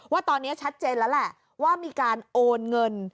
ว่าตอนนี้ชัดเจนแล้วแหละว่ามีการโอนเงิน